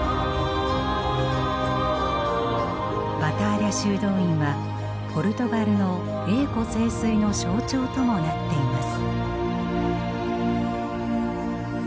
バターリャ修道院はポルトガルの栄枯盛衰の象徴ともなっています。